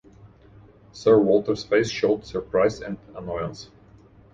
Sir Walter’s face showed surprise and annoyance.